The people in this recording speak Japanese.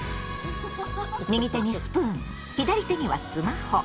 右手にスプーン左手にはスマホ。